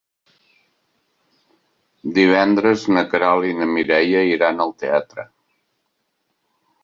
Divendres na Queralt i na Mireia iran al teatre.